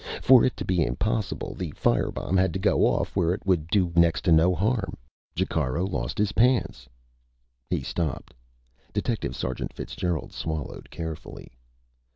For it to be impossible, the fire bomb had to go off where it would do next to no harm. Jacaro lost his pants." He stopped. Detective Sergeant Fitzgerald swallowed carefully.